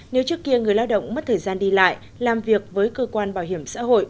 nếu trước kia người lao động mất thời gian đi lại làm việc với cơ quan bảo hiểm xã hội